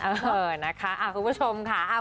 เออนะคะคุณผู้ชมค่ะ